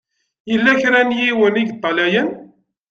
Yella kra n yiwen i yeṭṭalayen.